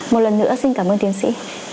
một lần nữa xin cảm ơn tiến sĩ